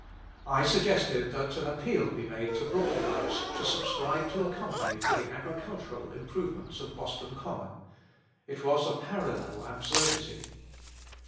I suggested that an appeal be made to Brooklynites to subscribe to a company for the agricultural improvements of Boston Common. It was a parallel absurdity.